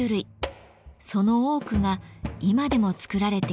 その多くが今でも作られています。